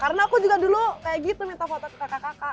karena aku juga dulu kayak gitu minta foto ke kakak kakak